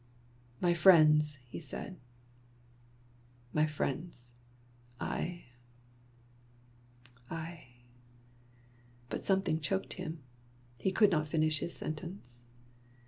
*' My friends —" k&«.*aid, "my friends — I — I —" But something choked him. He could not finish his sentence.